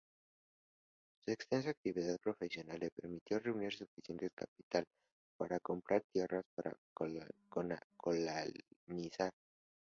Su extensa actividad profesional le permitió reunir suficiente capital para comprar tierras para colonizar.